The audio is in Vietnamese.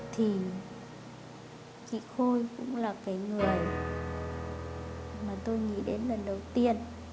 thì chị khôi cũng là cái người mà tôi nghĩ đến lần đầu tiên